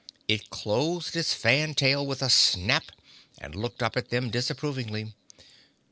It closed its fan tail with a snap and looked up at them disapprovingly.